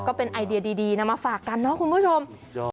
ก็เป็นไอเดียดีนำมาฝากกันเนาะคุณผู้ชม